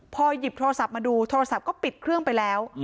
พอหยิบโทรศัพท์มาดูโทรศัพท์ก็ปิดเครื่องไปแล้ว